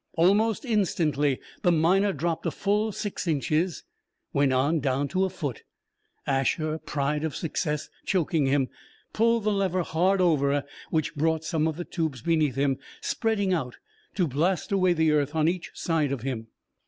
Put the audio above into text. Almost instantly the Miner dropped a full six inches went on, down to a foot. Asher, pride of success choking him, pulled the lever hard over, which brought some of the tubes beneath him spreading out, to blast away the earth on each side of him.